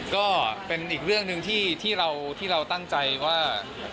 ก็เป็นอีกเรื่องหนึ่งที่เราตั้งใจว่า